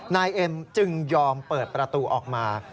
นายเอ็มจึงยอมเปิดประตูออกมา